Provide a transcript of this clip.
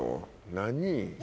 何？